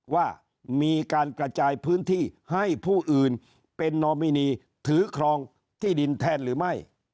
ว่ามีการกระจายพื้นที่ให้ผู้อื่นเป็นนอมินีถือครองที่ดินแทนหรือไม่